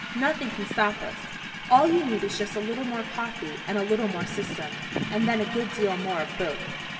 Nothing can stop us. All you need is just a little more coffee and a little more system, and then a good deal more of both.